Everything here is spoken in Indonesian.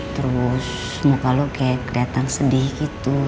terus muka lo kayak keliatan sedih gitu